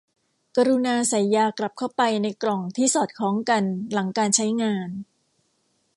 กรุณาใส่ยากลับเข้าไปในกล่องที่สอดคล้องกันหลังการใช้งาน